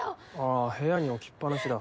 あ部屋に置きっぱなしだ。